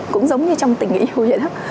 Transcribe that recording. cũng giống như trong tình yêu vậy đó